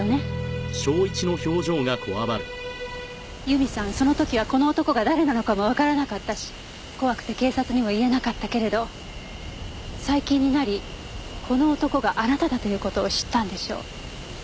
由美さんその時はこの男が誰なのかもわからなかったし怖くて警察にも言えなかったけれど最近になりこの男があなただという事を知ったんでしょう。